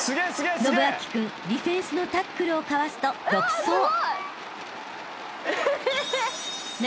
［伸光君ディフェンスのタックルをかわすと独走］